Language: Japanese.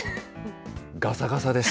がさがさです。